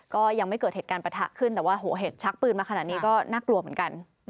ก็ยังไม่เกิดเหตุการณ์ประทะขึ้นแต่ว่าเหตุชักปืนมาขนาดนี้ก็น่ากลัวเหมือนกัน